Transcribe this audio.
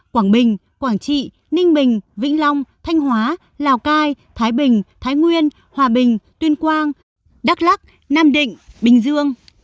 quảng bình quảng trị ninh bình vĩnh long thanh hóa lào cai thái bình thái nguyên hòa bình tuyên quang đắk lắc nam định bình dương